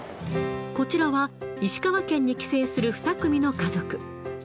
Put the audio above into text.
こちらは、石川県に帰省する２組の家族。